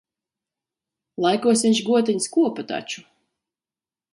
Laikos viņš gotiņas kopa taču.